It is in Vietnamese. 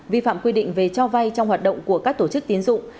vi phạm quy định về cho vai trong hoạt động của các tổ chức tín dụng